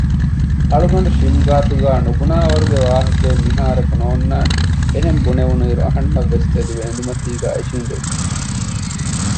އަޅުގަނޑު ޝިމް ގާތުގައި ނުުބުނާވަރުގެ ވާހަކައެއް މިހާރަކު ނޯންނާނެ އެހެން ބުނެވުނުއިރު އަހަންނަށްވެސް ތެދުވެ އެނދުމަތީގައި އިށީނދެވިއްޖެ